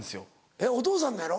えっお父さんのやろ？